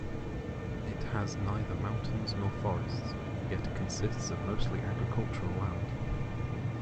It has neither mountains nor forests, but consists of mostly agricultural land.